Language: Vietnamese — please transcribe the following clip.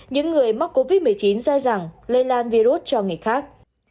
những người mắc covid một mươi chín dài dặn lây lan virus cho người khác